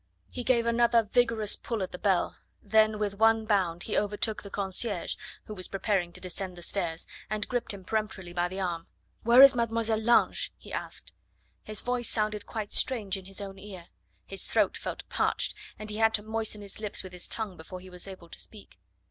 He gave another vigorous pull at the bell, then with one bound he overtook the concierge, who was preparing to descend the stairs, and gripped him peremptorily by the arm. "Where is Mademoiselle Lange?" he asked. His voice sounded quite strange in his own ear; his throat felt parched, and he had to moisten his lips with his tongue before he was able to speak.